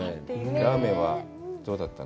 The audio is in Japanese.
ラーメンはどうだったの？